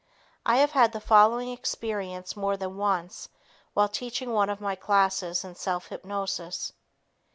I have had the following experience more than once while teaching one of my classes in self hypnosis.